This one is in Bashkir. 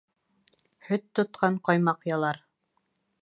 Һөт тотҡан ҡаймаҡ ялар.